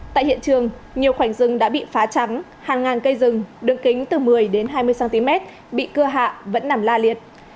tại hiện trường nhiều khoảnh rừng đã bị phá trắng hàng ngàn cây rừng đường kính từ một mươi đến hai mươi cm bị cưa hạ vẫn nằm la liệt